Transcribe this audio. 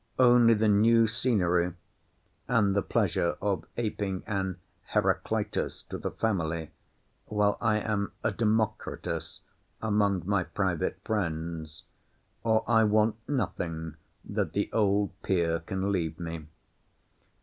Only the new scenery, (and the pleasure of aping an Heraclitus to the family, while I am a Democritus among my private friends,) or I want nothing that the old peer can leave me.